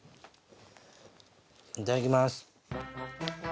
いただきます。